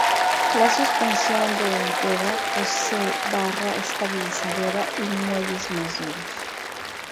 La suspensión delantera posee barra estabilizadora y muelles más duros.